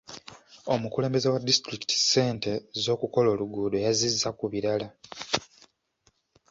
Omukulembeze wa disitulikiti ssente z'okukola oluguudo yazizza ku birala.